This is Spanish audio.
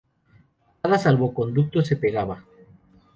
Cada salvoconducto se pagaba.